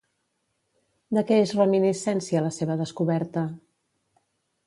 De què és reminiscència la seva descoberta?